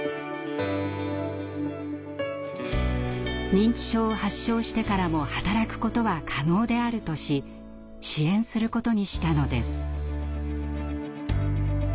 認知症を発症してからも働くことは可能であるとし支援することにしたのです。